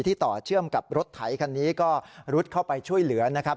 ต่อเชื่อมกับรถไถคันนี้ก็รุดเข้าไปช่วยเหลือนะครับ